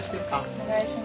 おねがいします。